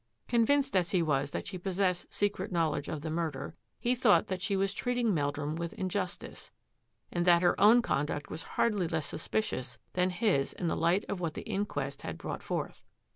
Convinced as he was that she possessed secret knowledge of the murder, he thought that she was treating Meldrum with injustice, and that her own conduct was hardly less suspicious than his in the light of what the inquest had brought forth.